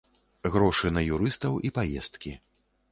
Грошы на юрыстаў і паездкі.